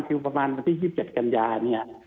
คือประมาณวันที่๒๗กันยาเนี่ย